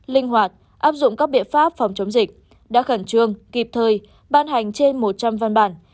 linh hoạt áp dụng các biện pháp phòng chống dịch đã khẩn trương kịp thời ban hành trên một trăm linh văn bản